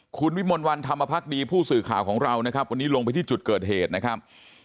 คุณวิมลวันธรรมพักดีผู้สื่อข่าวของเรานะครับวันนี้ลงไปที่จุดเกิดเหตุนะครับ